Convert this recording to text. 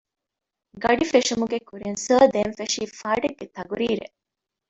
ގަޑި ފެށުމުގެ ކުރިން ސާރ ދޭން ފެށީ ފާޑެއްގެ ތަޤުރީރެއް